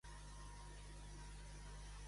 A quina cultura pertanyia?